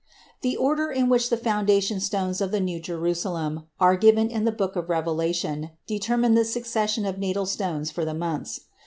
The order in which the foundation stones of the New Jerusalem are given in the book of Revelation determined the succession of natal stones for the months.